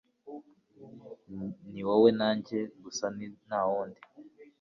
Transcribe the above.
ni wowe na njye gusa ntawundi